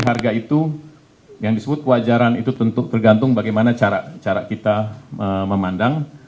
harga itu yang disebut kewajaran itu tentu tergantung bagaimana cara kita memandang